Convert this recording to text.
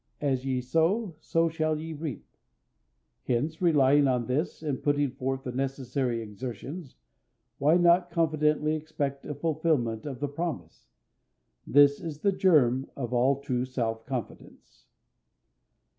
"As ye sow, so shall ye reap." Hence, relying on this, and putting forth the necessary exertions, why not confidently expect a fulfillment of the promise? This is the germ of all true self reliance.